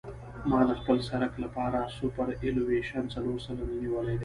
ما د خپل سرک لپاره سوپرایلیویشن څلور سلنه نیولی دی